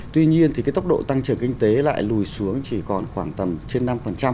tuy nhiên thì cái tốc độ tăng trưởng kinh tế lại lùi xuống chỉ còn khoảng tầm trên năm